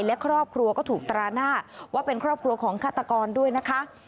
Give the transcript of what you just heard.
และครอบครัวก็ถูกตราหน้าว่าเป็นครอบครัวของฆาตกรด้วยนะคะ